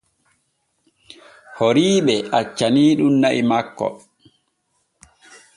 Horiiɓe accaniiɗun na'i makko.